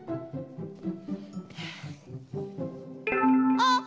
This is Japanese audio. あっ！